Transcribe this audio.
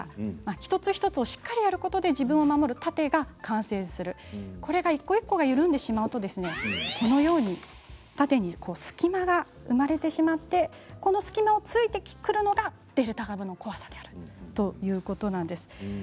一つ一つをしっかりやることで自分を守る盾が完成するこれが緩んでしまうと盾に隙間ができてしまってこの隙間を突いてくるのがデルタ株への怖さであるということなんです。